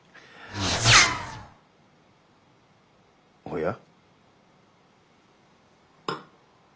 おや？